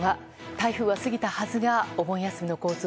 台風は過ぎたはずがお盆休みの交通